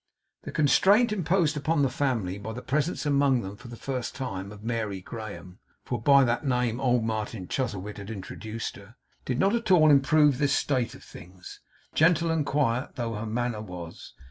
The constraint imposed upon the family by the presence among them for the first time of Mary Graham (for by that name old Martin Chuzzlewit had introduced her) did not at all improve this state of things; gentle and quiet though her manner was.